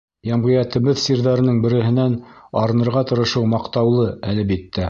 Йәмғиәтебеҙ сирҙәренең береһенән арынырға тырышыу маҡтаулы, әлбиттә.